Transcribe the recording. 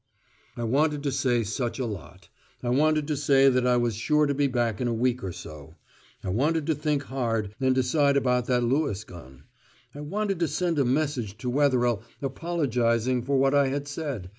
I wanted to say such a lot. I wanted to say that I was sure to be back in a week or so. I wanted to think hard, and decide about that Lewis gun. I wanted to send a message to Wetherell apologising for what I had said....